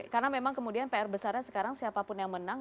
karena memang pr besar sekarang siapa pun yang menang